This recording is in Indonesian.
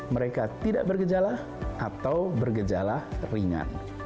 mereka tidak bergejala atau bergejala ringan